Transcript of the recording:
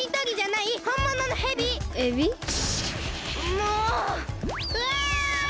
もううわ！